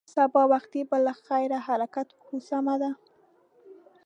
سبا وختي به له خیره حرکت وکړې، سمه ده.